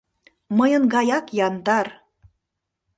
— Мыйын гаяк яндар!